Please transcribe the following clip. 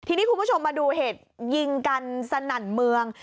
ทีนี้คุณผู้ชมมาดูเหตุยิงกันสนั่นเมือง